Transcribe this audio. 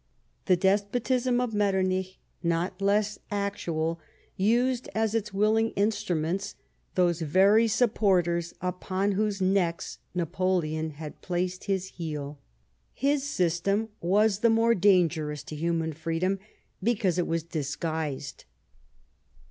The despotism of Metternich, not less actual, used as its willing instruments those very supporters upon whose necks Napoleon had placed his heel. His system was the more dang'erous to human freedom because it was dis guised.